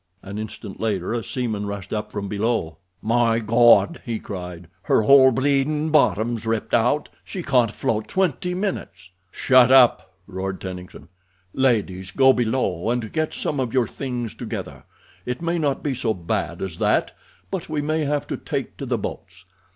An instant later a seaman rushed up from below. "My Gawd!" he cried. "Her whole bleedin' bottom's ripped out. She can't float twenty minutes." "Shut up!" roared Tennington. "Ladies, go below and get some of your things together. It may not be so bad as that, but we may have to take to the boats.